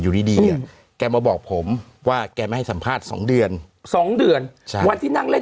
อยู่ดีแกมาบอกผมว่าแกไม่ให้สัมภาษณ์๒เดือน๒เดือนวันที่นั่งเล่น